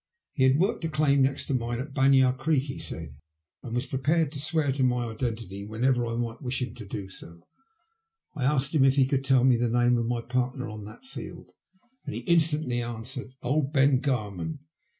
He had worked a claim next door to mine at Ban yah Creek, he Baid, and was prepared to swear to my identity whenever I might wish him to do so. I asked him if he could tell me the name of my partner on that field, and he instantly answered '' Old Ben Garman."